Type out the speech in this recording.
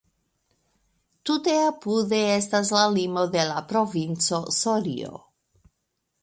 Tute apude estas la limo de la provinco Sorio.